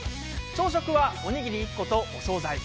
朝食はおにぎり１個と、お総菜。